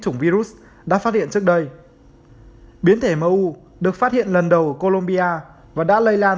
chủng virus đã phát hiện trước đây biến thể mu được phát hiện lần đầu colombia và đã lây lan